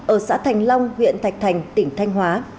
ở xã thành long huyện thạch thành tỉnh thanh hóa